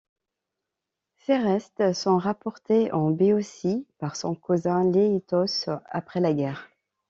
Ses restes sont rapportés en Béotie par son cousin Léitos après la guerre.